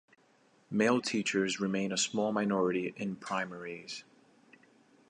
Male teachers remain a small minority in primaries.